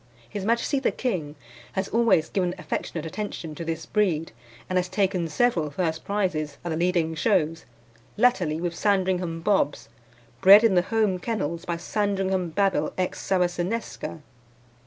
His Majesty the King has always given affectionate attention to this breed, and has taken several first prizes at the leading shows, latterly with Sandringham Bobs, bred in the home kennels by Sandringham Babil ex Saracenesca.